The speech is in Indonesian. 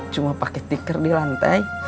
cuma pakai tikar di lantai